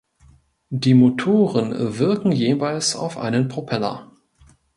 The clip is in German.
Die Motoren wirken jeweils auf einen Propeller.